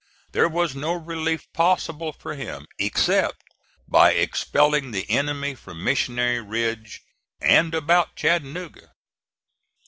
There was no relief possible for him except by expelling the enemy from Missionary Ridge and about Chattanooga.